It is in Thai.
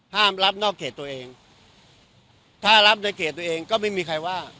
ห้ามรับนอกเขตตัวเองถ้ารับในเขตตัวเองก็ไม่มีใครว่า